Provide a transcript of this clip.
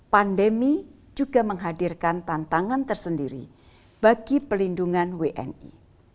pandemi juga menghadirkan tantangan tersendiri bagi pelindungan wni